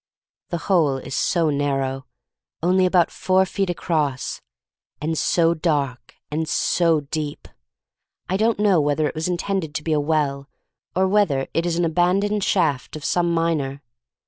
The hole is so narrow — only about four feet across — and so dark, and so deep! I don't know whether it was intended to be a well, or whether it is an abandoned shaft of some miner.